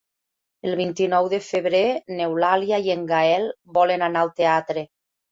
El vint-i-nou de febrer n'Eulàlia i en Gaël volen anar al teatre.